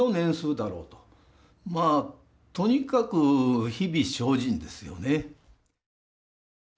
まあとにかく日々精進ですよね。